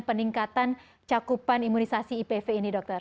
peningkatan cakupan imunisasi ipv ini dokter